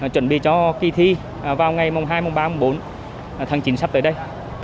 chuẩn bị cho kỳ thi vào ngày hai mùng ba bốn tháng chín sắp tới đây